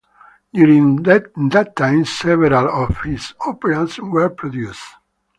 During that time several of his operas were produced.